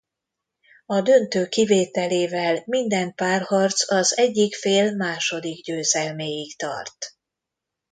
A döntő kivételével minden párharc az egyik fél második győzelméig tart.